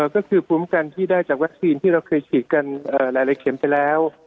ก็คือภูมิกันที่ได้จากวัคซีนที่เราเคยฉีดกันหลายเข็มไปแล้ว